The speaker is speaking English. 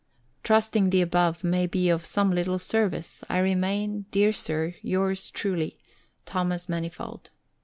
Trusting the above may be of some little service, I remain, dear Sir, yours truly, THOMAS MANIFOLD.